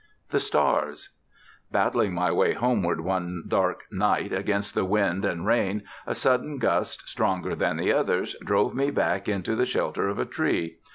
THE STARS Battling my way homeward one dark night against the wind and rain, a sudden gust, stronger than the others, drove me back into the shelter of a tree.